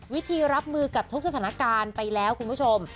วิธีรับมือกับทุกสถานการณ์ไปแล้วคุณผู้ชม